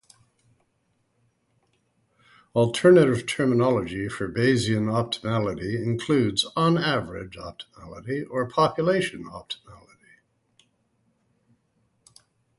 Alternative terminology for "Bayesian" optimality includes "on-average" optimality or "population" optimality.